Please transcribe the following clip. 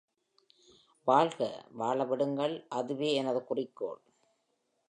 வாழ்க, வாழ விடுங்கள், அதுவே எனது குறிக்கோள்.